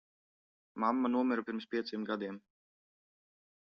Mamma nomira pirms pieciem gadiem.